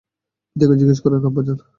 পিতাকে জিজ্ঞেস করেন, আব্বাজান!